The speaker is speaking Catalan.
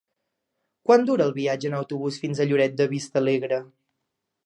Quant dura el viatge en autobús fins a Lloret de Vistalegre?